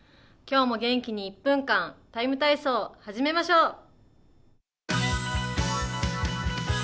今日も元気に１分間、「ＴＩＭＥ，体操」始めましょう。